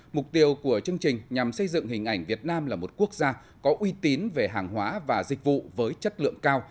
mục tiêu của chương trình nhằm xây dựng hình ảnh việt nam là một quốc gia có uy tín về hàng hóa và dịch vụ với chất lượng cao